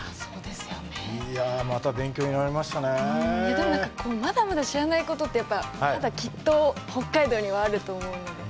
でも何かまだまだ知らないことってやっぱまだきっと北海道にはあると思うので。